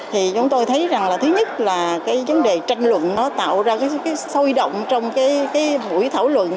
thì chúng tôi thấy rằng là thứ nhất là cái vấn đề tranh luận nó tạo ra cái sôi động trong cái buổi thảo luận